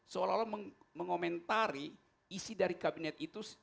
seolah olah mengomentari isi dari kabinet itu